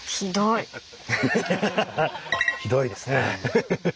ひどいですね。